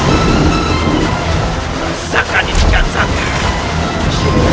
aku akan menahan dirimu